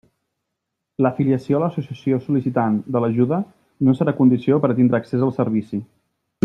L'afiliació a l'associació sol·licitant de l'ajuda no serà condició per a tindre accés al servici.